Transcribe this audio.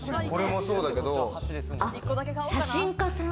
写真家さん？